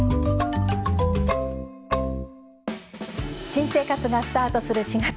新生活がスタートする４月。